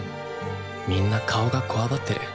みんな顔がこわばってる。